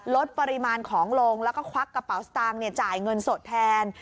ลดปริมาณของลงแล้วก็ควักกระเป๋าสตางค์จ่ายเงินสดแทน